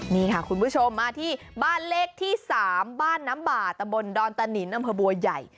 นี่ค่ะคุณผู้ชมมาที่บ้านเลขที่๓บ้านน้ำบ่าตะบนดอนตะนินอำเภอบัวใหญ่